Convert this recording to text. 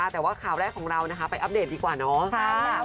แต่ว่าข่าวแรกของเรานะคะไปอัปเดตดีกว่าเนาะ